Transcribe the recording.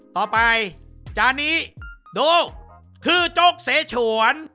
ต่อไปจานนี้ดูคือจกเสชวน